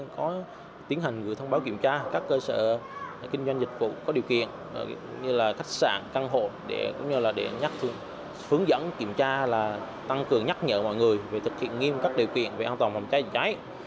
có tiến hành gửi thông báo kiểm tra các cơ sở kinh doanh dịch vụ có điều kiện như là khách sạn căn hộ cũng như là để nhắc thương dẫn kiểm tra là tăng cường nhắc nhở mọi người về thực hiện nghiêm các điều kiện về an toàn phòng cháy chữa cháy